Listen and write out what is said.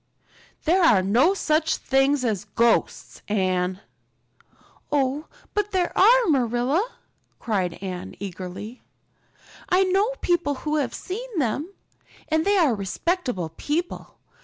"There are no such things as ghosts, Anne." "Oh, but there are, Marilla," cried Anne eagerly. "I know people who have seen them. And they are respectable people.